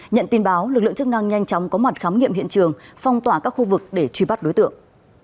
nhận tin báo lực lượng chức năng nhanh chóng có mặt khám nghiệm hiện trường phong tỏa các khu vực để truy bắt đối tượng